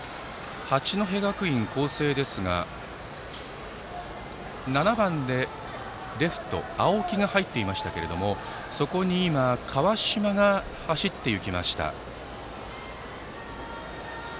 八戸学院光星ですが７番レフトに青木が入っていましたがそこに川島が走っていきました。